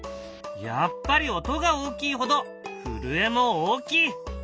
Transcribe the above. やっぱり音が大きい程震えも大きい。